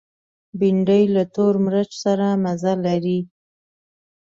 بېنډۍ له تور مرچ سره مزه لري